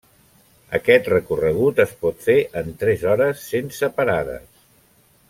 Aquest recorregut es pot fer en tres hores sense parades.